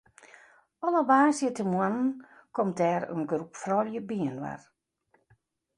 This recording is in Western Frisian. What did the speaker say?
Alle woansdeitemoarnen komt dêr in groep froulju byinoar.